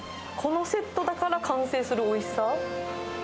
このセットだから完成するおいしさ。